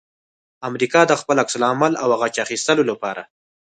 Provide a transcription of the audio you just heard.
امریکا د خپل عکس العمل او غچ اخستلو لپاره